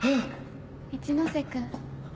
一ノ瀬君。